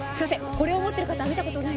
これを持ってる方は見た事ない？